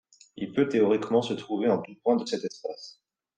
Il peut théoriquement se trouver en tout point de cet espace.